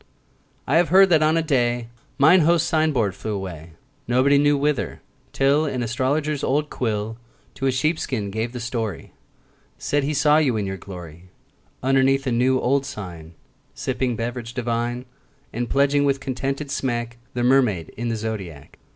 I have heard that on a day Mine host's sign board flew away, Nobody knew whither, till An astrologer's old quill To a sheepskin gave the story, Said he saw you in your glory, Underneath a new old sign Sipping beverage divine, 20 And pledging with contented smack The Mermaid in the Zodiac.